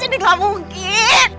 ini gak mungkin